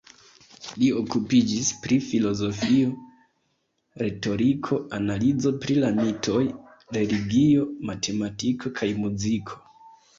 Li okupiĝis pri filozofio, retoriko, analizo pri la mitoj, religio, matematiko kaj muziko.